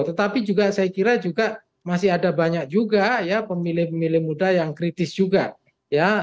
tetapi juga saya kira juga masih ada banyak juga ya pemilih pemilih muda yang kritis juga ya